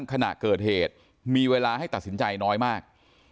ขณะเกิดเหตุมีเวลาให้ตัดสินใจน้อยมาก